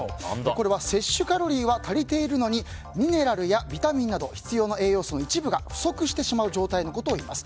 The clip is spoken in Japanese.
これは摂取カロリーは足りているのにミネラルやビタミンなど必要な栄養素の一部が不足してしまう状態のことを言います。